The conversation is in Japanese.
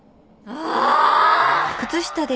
ああ。